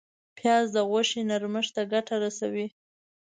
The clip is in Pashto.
پیاز د غوښې نرمښت ته ګټه رسوي